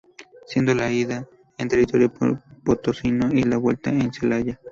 Siendo la ida en territorio potosino y la vuelta en Celaya.